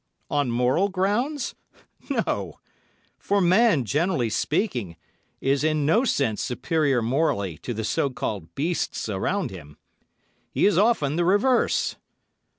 On moral grounds? No! For man, generally speaking, is in no sense superior morally to the so called beasts around him. He is often the reverse.